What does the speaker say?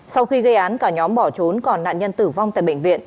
sau khi gây án cả nhóm bỏ trốn còn nạn nhân tử vong tại bệnh viện